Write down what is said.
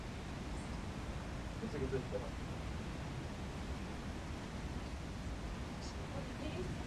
The company achieved solvency again with the help of creditor generosity and government subsidies.